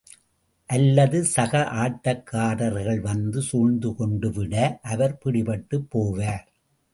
அல்லது சக ஆட்டக்காரர்கள் வந்து சூழ்ந்து கொண்டுவிட, அவர் பிடிபட்டுப் போவார்.